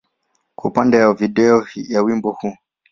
kwa upande wa video ya wimbo huu.